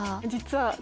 実は。